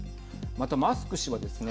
また、マスク氏はですね